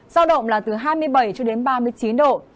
giao động là từ hai mươi bảy cho đến ba mươi chín độ